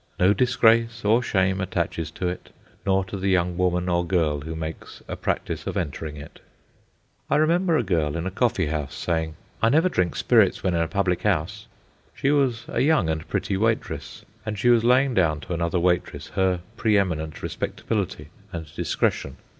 No disgrace or shame attaches to it, nor to the young woman or girl who makes a practice of entering it. I remember a girl in a coffee house saying, "I never drink spirits when in a public 'ouse." She was a young and pretty waitress, and she was laying down to another waitress her pre eminent respectability and discretion.